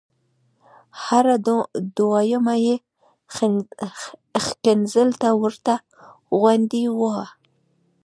هره دویمه یې ښکنځل ته ورته غوندې وه.